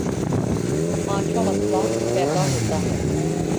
پانچواں مسئلہ یہ پیدا ہوتا ہے